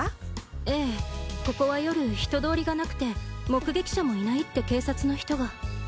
ええここは夜人通りがなくて目撃者もいないって警察の人が。